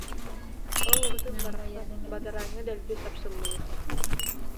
«Оо, ытым барахсан бадарааҥҥа дэлби сапсыллыбыт»